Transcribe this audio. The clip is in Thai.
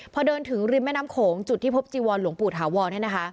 พอเดินถึงริมแม่น้ำโขงจุดที่พบจีวรหลวงปู่ถาวร